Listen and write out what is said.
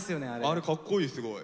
あれかっこいいすごい。